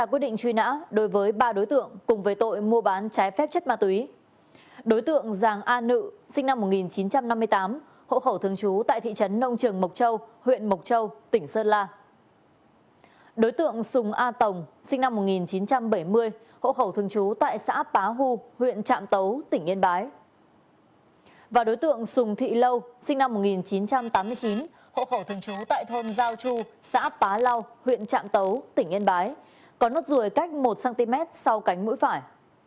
và đối tượng sùng thị lâu sinh năm một nghìn chín trăm tám mươi chín hộ khẩu thường trú tại thôn giao chu xã pá lau huyện trạng tấu tỉnh yên bái có nốt ruồi cách một cm sau cánh mũi phải